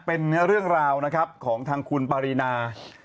เป็นเรื่องราวของทางคุณปารินา